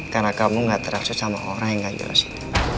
karena kamu gak terakses sama orang yang gak jelasin